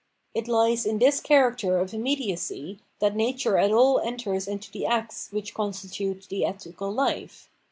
It lies in this char acter of immediacy that nature at all enters into the acts which constitute the ethical life.